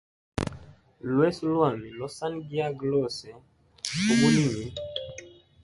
Lweso lwami losanigiaga lose ubulimi.